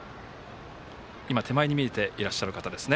手前に見えていらっしゃる方です。